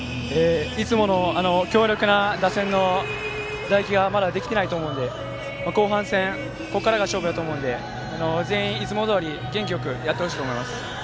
いつもの強力な打線の打撃がまだできていないので後半戦ここからが勝負だと思うので元気よくやってほしいと思います。